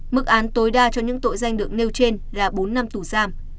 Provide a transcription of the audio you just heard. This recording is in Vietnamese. mức án tối đa cho những tội danh được nêu trên là bốn năm tù giam